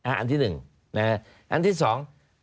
อันที่หนึ่งนะฮะอันที่สอง